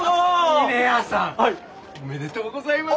峰屋さんおめでとうございます！